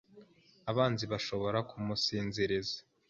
abanzi bashobora kumusinziriza